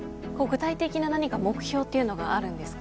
具体的な何か目標っていうのがあるんですか？